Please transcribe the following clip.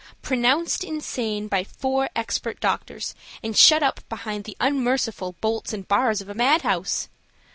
Pronounced insane by four expert doctors and shut up behind the unmerciful bolts and bars of a madhouse!